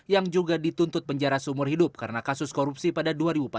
yang juga dituntut penjara seumur hidup karena kasus korupsi pada dua ribu empat belas